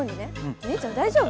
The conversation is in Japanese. お兄ちゃん大丈夫？